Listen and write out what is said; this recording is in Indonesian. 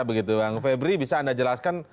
begitu bang febri bisa anda jelaskan